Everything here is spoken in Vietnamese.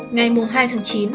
ngày hai tháng chín